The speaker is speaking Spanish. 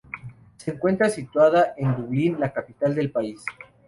Se encuentra situada en Dublín, la capital del país.